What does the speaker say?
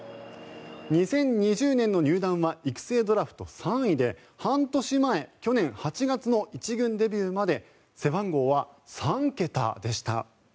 ２０２０年の入団は育成ドラフト３位で半年前去年８月の１軍デビューまで背番号は３桁でした。